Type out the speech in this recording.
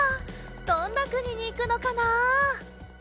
どんなくににいくのかな？